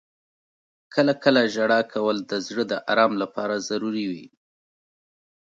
• کله کله ژړا کول د زړه د آرام لپاره ضروري وي.